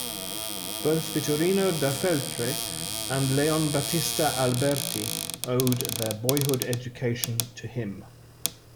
Both Vittorino da Feltre and Leon Battista Alberti owed their boyhood education to him.